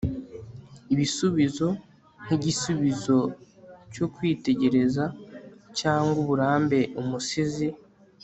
ibisubizo nkigisubizo cyo kwitegereza cyangwa uburambe. umusizi